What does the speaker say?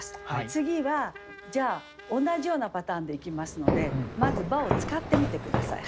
次はじゃあ同じようなパターンでいきますのでまず「ば」を使ってみて下さい。